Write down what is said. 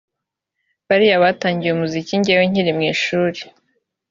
bariya batangiye umuziki njyewe nyiri mu ishuri